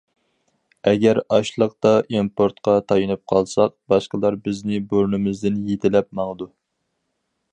« ئەگەر ئاشلىقتا ئىمپورتقا تايىنىپ قالساق، باشقىلار بىزنى بۇرنىمىزدىن يېتىلەپ ماڭىدۇ».